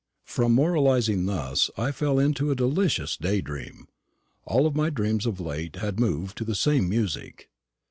From moralising thus, I fell into a delicious day dream. All my dreams of late had moved to the same music.